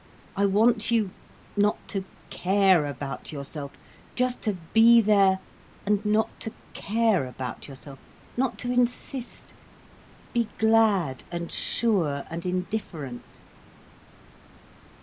I want you not to care about yourself, just to be there and not to care about yourself, not to insist—be glad and sure and indifferent."